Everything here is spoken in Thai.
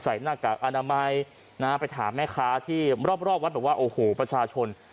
ใส่หน้ากากอนามัยไปถามแม่ค้าที่รอบวัดแบบว่าโอ้โหประชาชน